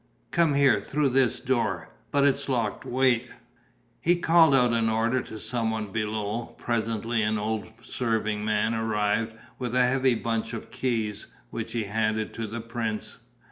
Come here, through this door. But it's locked. Wait...." He called out an order to some one below. Presently an old serving man arrived with a heavy bunch of keys, which he handed to the prince.